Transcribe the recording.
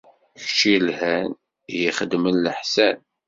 Kečč yelhan, i ixeddmen leḥsan.